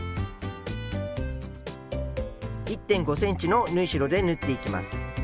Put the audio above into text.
１．５ｃｍの縫い代で縫っていきます。